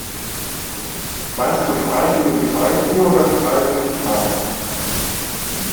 Meinst du frei wie in Freibier oder frei wie in Freiheit?